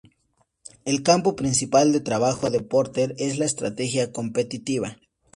El campo principal de trabajo de Porter es la estrategia competitiva.